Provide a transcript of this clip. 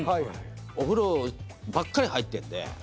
お風呂ばっかり入ってるんで。